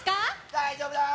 大丈夫だー！